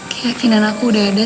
keyakinan aku udah ada